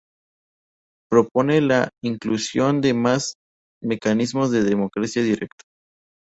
Propone la inclusión de más mecanismos de democracia directa.